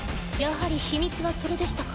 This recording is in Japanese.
やはり秘密はそれでしたか。